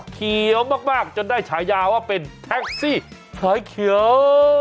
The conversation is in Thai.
เขียวมากจนได้ฉายาว่าเป็นแท็กซี่ถอยเขียว